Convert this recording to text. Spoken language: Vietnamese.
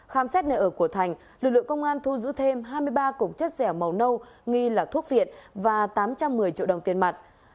khám xét nơi ở của thành lực lượng công an thu giữ thêm hai mươi ba cục chất dẻo màu nâu nghi là thuốc viện và tám trăm một mươi triệu đồng tiền mặt